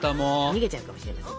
逃げちゃうかもしれません。